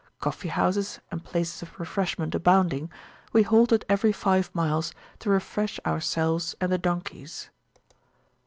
Coffee houses and places of refreshment abounding, we halted every five miles to refresh ourselves and the donkeys.